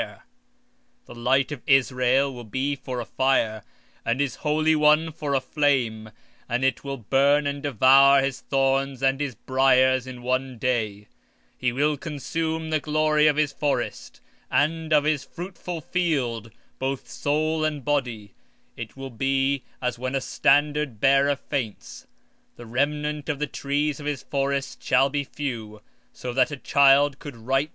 20:17 And the light of Israel shall be for a fire, and his Holy One for a flame, and shall burn and shall devour his thorns and his briers in one day; 20:18 And shall consume the glory of his forest, and of his fruitful field, both soul and body; and they shall be as when a standard bearer fainteth. 20:19 And the rest of the trees of his forest shall be few, that a child may write them.